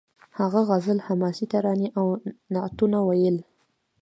هغه غزل حماسي ترانې او نعتونه وویل